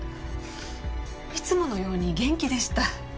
いつものように元気でした。